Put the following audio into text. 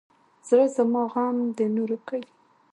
زړه زما غم د نورو کوي.